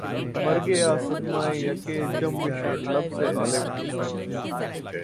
مر گیا صدمۂ یک جنبش لب سے غالبؔ